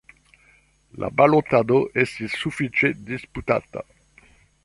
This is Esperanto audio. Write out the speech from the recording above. La balotado estis sufiĉe disputata.